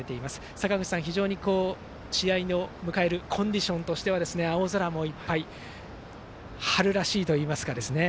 坂口さん、非常に試合を迎えるコンディションとしては青空もいっぱいで春らしいといいますか。